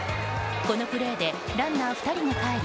このプレーでランナー２人がかえり